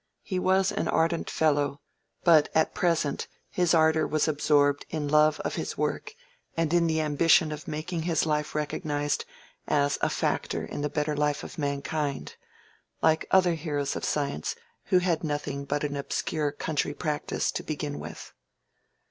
He was an ardent fellow, but at present his ardor was absorbed in love of his work and in the ambition of making his life recognized as a factor in the better life of mankind—like other heroes of science who had nothing but an obscure country practice to begin with.